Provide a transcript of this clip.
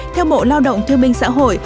theo bộ lao động thương minh xã hội